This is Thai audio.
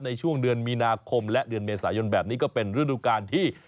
ในช่วงเดือนมีนาคมและเดือนเมษายนแบบนี้ก็เป็นฤดูกาลที่